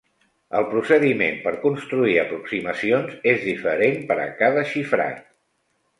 El procediment per construir aproximacions és diferent per a cada xifrat.